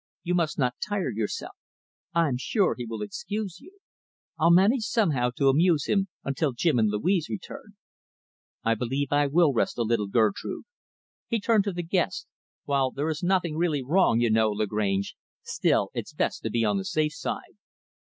You must not tire yourself. I'm sure he will excuse you. I'll manage somehow to amuse him until Jim and Louise return." "I believe I will rest a little, Gertrude." He turned to the guest "While there is nothing really wrong, you know, Lagrange, still it's best to be on the safe side."